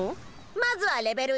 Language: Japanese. まずはレベル１。